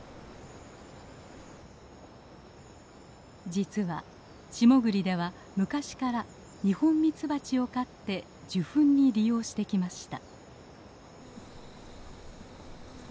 実は下栗では昔からニホンミツバチを飼って受粉に利用してきました。